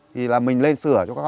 thì mình lên sửa cho các con